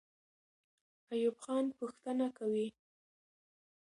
ایوب خان پوښتنه کوي.